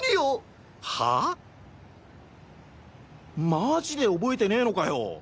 マジで覚えてねのかよ！？